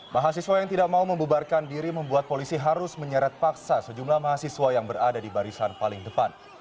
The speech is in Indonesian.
mahasiswa yang tidak mau membubarkan diri membuat polisi harus menyeret paksa sejumlah mahasiswa yang berada di barisan paling depan